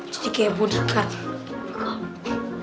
jadi kayak bodyguard